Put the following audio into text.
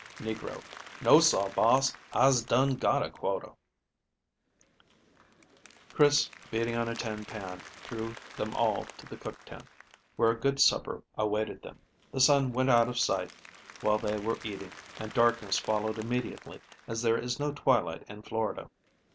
"Negro 'No, sah, boss; I'se dun got a quarter.'" Chris beating on a tin pan drew them all to the cook tent, where a good supper awaited them. The sun went out of sight while they were eating, and darkness followed immediately, as there is no twilight in Florida.